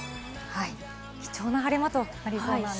貴重な晴れ間となりそうです。